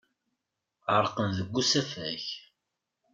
Ɛerqen deg usafag.